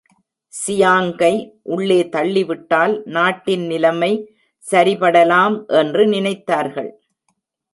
சியாங்கை உள்ளே தள்ளிவிட்டால் நாட்டின் நிலமை சரிபடலாம் என்று நினைத்தார்கள்.